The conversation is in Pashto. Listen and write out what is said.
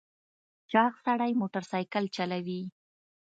چاغ سړی موټر سایکل چلوي .